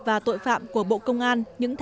và tội phạm của bộ công an